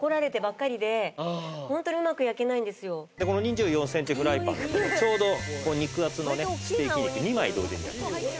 この２４センチフライパンだとちょうど肉厚のねステーキ肉２枚同時に焼ける。